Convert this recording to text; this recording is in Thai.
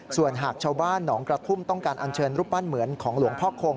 ส่วนหากชาวบ้านหนองกระทุ่มต้องการอัญเชิญรูปปั้นเหมือนของหลวงพ่อคง